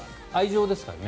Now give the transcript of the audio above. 愛情ですからね。